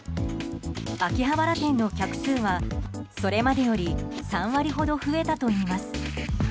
秋葉原店の客数は、それまでより３割ほど増えたといいます。